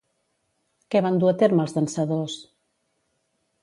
Què van dur a terme els dansadors?